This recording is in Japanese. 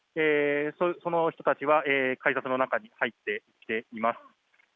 若者たちは改札の中に入ってきています。